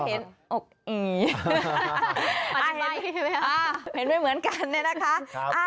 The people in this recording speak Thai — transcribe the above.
เห็นเห็นเห็นเห็นเห็นเห็นเห็นเหมือนกันเลยนะคะ